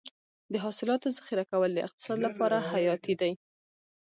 د حاصلاتو ذخیره کول د اقتصاد لپاره حیاتي دي.